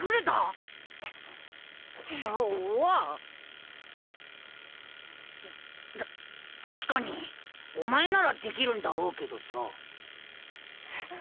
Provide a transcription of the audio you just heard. た確かにお前ならできるんだろうけどさ。